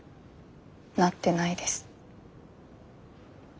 なってないです。